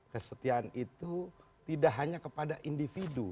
kesetiaan itu tidak hanya kepada individu